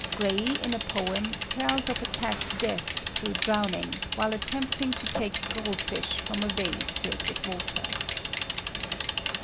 Gray, in a poem, tells of a cat's death through drowning, while attempting to take gold fish from a vase filled with water.